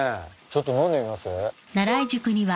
ちょっと飲んでみます？